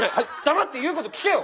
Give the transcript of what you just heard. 黙って言うこと聞けよ。